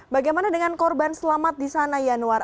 bagaimana dengan korban selamat di sana yanuar